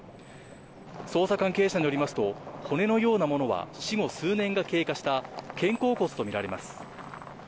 捜査関係者によりますと骨のようなものは死後数年が経過した肩甲骨とみられます。